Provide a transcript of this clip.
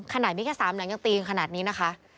ขนาดวิทยา๓หลังยังตีขนาดนี้นะคะ